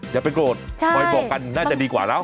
อย่าไปโกรธคอยบอกกันน่าจะดีกว่าแล้ว